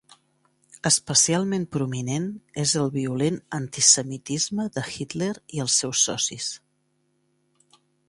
Especialment prominent és el violent antisemitisme de Hitler i els seus socis.